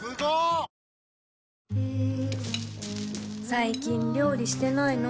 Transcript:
最近料理してないの？